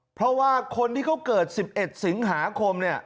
เพราะว่าคนที่เขาเกิด๑๑สิงหาคมเนี่ย